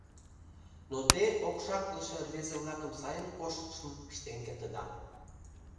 — Но те окшаклыше рвезе-влакым сайын коштшым ыштен кертыда?